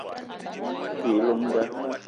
Me te yi llong nda